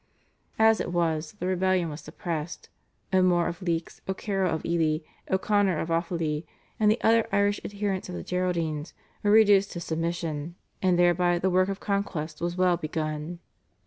As it was, the rebellion was suppressed; O'More of Leix, O'Carroll of Ely, O'Connor of Offaly, and the other Irish adherents of the Geraldines were reduced to submission, and thereby the work of conquest was well begun.